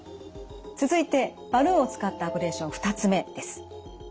続いてバルーンを使ったアブレーション２つ目です。